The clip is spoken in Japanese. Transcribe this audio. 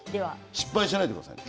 失敗しないでくださいね。